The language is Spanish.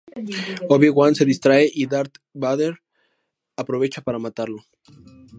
Obi Wan se distrae y Darth Vader aprovecha para matarlo.